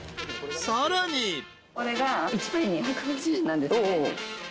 ［さらに］これが１枚２５０円なんですね。